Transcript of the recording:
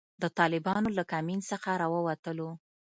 د طالبانو له کمین څخه را ووتلو.